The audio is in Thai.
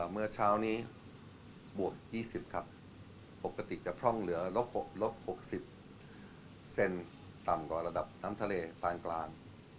เมื่อเช้านี้บวก๒๐ครับปกติจะพร่องเหลือลบ๖ลบ๖๐เซนต่ำกว่าระดับน้ำทะเลปานกลาง